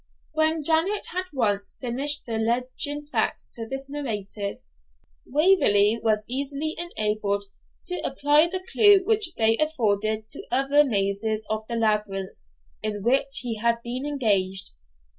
When Janet had once finished the leading facts of this narrative, Waverley was easily enabled to apply the clue which they afforded to other mazes of the labyrinth in which he had been engaged.